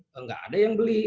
tidak ada yang beli